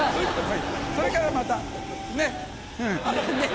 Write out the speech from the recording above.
それからまたねっうん。